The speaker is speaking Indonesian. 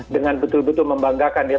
dengan betul betul membanggakan ya